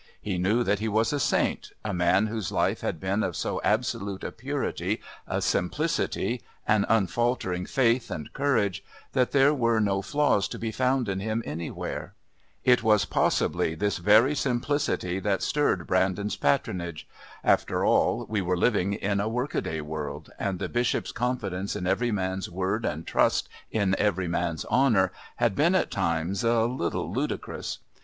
He knew that he was a saint, a man whose life had been of so absolute a purity, a simplicity, an unfaltering faith and courage, that there were no flaws to be found in him anywhere. It was possibly this very simplicity that stirred Brandon's patronage. After all, we were living in a workaday world, and the Bishop's confidence in every man's word and trust in every man's honour had been at times a little ludicrous.